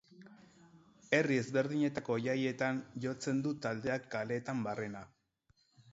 Herri ezberdinetako jaietan jotzen du taldeak kaleetan barrena.